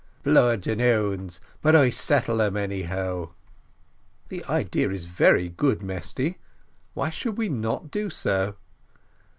Blood and 'ounds but I settle um, anyhow." "The idea is very good, Mesty why should we not do so?"